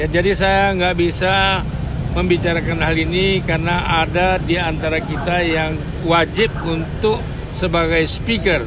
jadi saya nggak bisa membicarakan hal ini karena ada di antara kita yang wajib untuk sebagai speaker